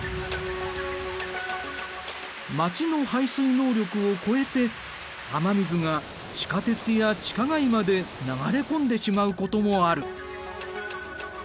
街の排水能力を超えて雨水が地下鉄や地下街まで流れ込んでしまうこともある。